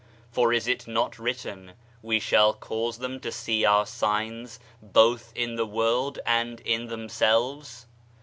For is it not written: "We shall cause them to see our signs, both in the world and in themselves"?